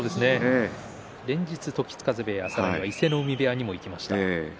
連日、時津風部屋伊勢ノ海部屋に行きました。